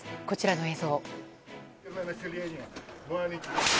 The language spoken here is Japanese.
こちらの映像。